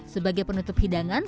sebagai penutup hidangan